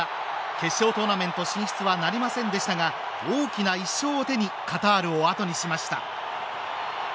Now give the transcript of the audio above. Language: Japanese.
決勝トーナメント進出はなりませんでしたが大きな１勝を手にカタールをあとにしました。